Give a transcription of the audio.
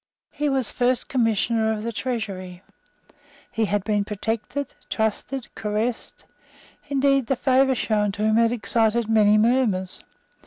He was First Commissioner of the Treasury. He had been protected, trusted, caressed. Indeed the favour shown to him had excited many murmurs.